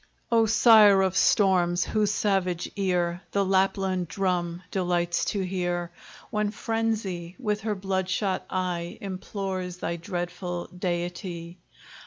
O sire of storms! whose savage ear The Lapland drum delights to hear, When Frenzy with her bloodshot eye Implores thy dreadful deity.